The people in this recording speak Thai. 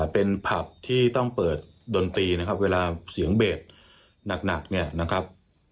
เป็นผับที่ต้องเปิดดนตรีนะครับเวลาเสียงเบสหนักเนี่ยนะครับ